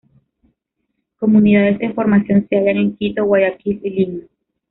Comunidades en formación se hallan en Quito, Guayaquil y Lima.